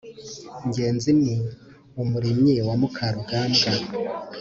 ngenzi ni umurimyi wa mukarugambwa